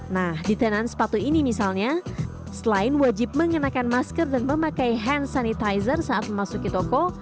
nah di tenan sepatu ini misalnya selain wajib mengenakan masker dan memakai hand sanitizer saat memasuki toko